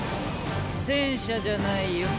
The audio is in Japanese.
戦車じゃないよ。